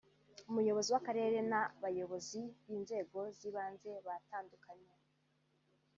Umuyobozi w'Akarere n'abayobozi b'inzego z'ibanze batandukanye